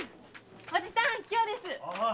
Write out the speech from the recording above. おじさん杏です！